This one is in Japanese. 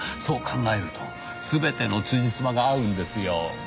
そう考えると全てのつじつまが合うんですよ。